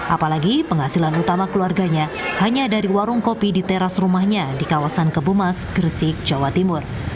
apalagi penghasilan utama keluarganya hanya dari warung kopi di teras rumahnya di kawasan kebumas gresik jawa timur